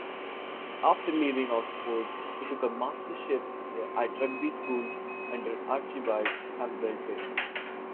After leaving Oxford he took a mastership at Rugby School under Archibald Campbell Tait.